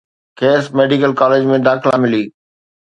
کيس medical college ۾ داخلا ملي